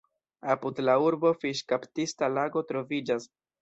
Apud la urbo fiŝkaptista lago troviĝas.